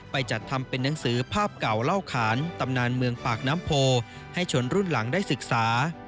จัดทำเป็นหนังสือภาพเก่าเล่าขานตำนานเมืองปากน้ำโพให้ชนรุ่นหลังได้ศึกษา